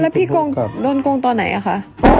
อ่ะแล้วพี่โดนโกงตอนไหนอ่ะคะ